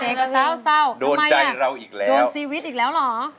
เจ๊ก็เศร้าทำไมล่ะโดนซีวิตอีกแล้วเหรอโดนใจเราอีกแล้ว